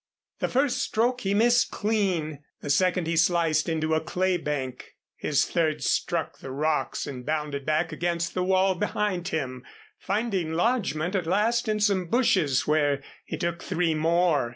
The first stroke he missed clean; the second he sliced into a clay bank; his third struck the rocks and bounded back against the wall behind him, finding lodgment at last in some bushes where he took three more.